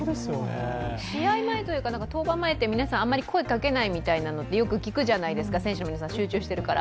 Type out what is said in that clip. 試合前というか、登板前って皆さん声をかけないとよく聞くじゃないですか、選手の皆さん、集中してるから。